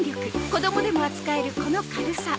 子供でも扱えるこの軽さ。